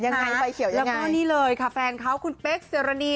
ยังไงไฟเขียวแล้วก็นี่เลยค่ะแฟนเขาคุณเป๊กเสรณี